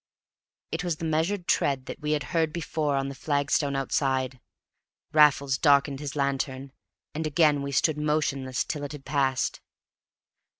It was the measured tread that we had heard before on the flagstones outside. Raffles darkened his lantern, and again we stood motionless till it had passed.